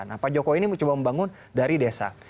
nah pak jokowi ini mencoba membangun dari desa